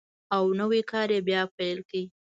او نوی کار یې بیا پیل کړ.